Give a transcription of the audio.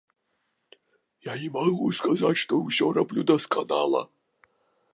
Я не магу сказаць, што ўсё раблю дасканала.